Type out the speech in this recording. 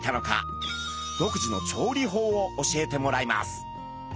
独自の調理法を教えてもらいます。